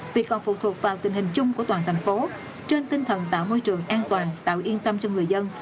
việc còn phụ thuộc vào tình hình chung của toàn thành phố trên tinh thần tạo môi trường an toàn tạo yên tâm cho người dân